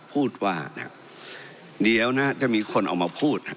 พูดว่านะเดี๋ยวนะจะมีคนออกมาพูด